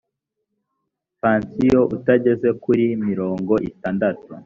pansiyo utageze kuri mirongo itandatu